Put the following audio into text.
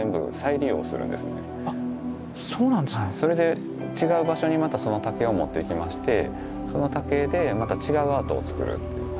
それで違う場所にまたその竹を持っていきましてその竹でまた違うアートを作るという。